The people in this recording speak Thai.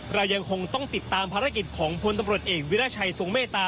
เรายังคงต้องติดตามภารกิจของพลศัลรุชตรลศรกันชาตะ